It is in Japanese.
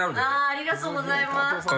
ありがとうございます。